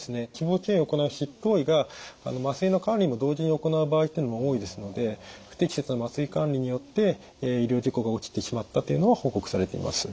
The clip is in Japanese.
脂肪吸引を行う執刀医が麻酔の管理も同時に行う場合というのも多いですので不適切な麻酔管理によって医療事故が起きてしまったというのは報告されています。